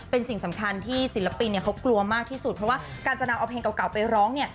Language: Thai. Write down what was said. เป็นสิ่งสำคัญที่ศิลปินเขากลัวมากที่สุดเพราะว่าการจะนำเอาเพลงเก่าไปร้อง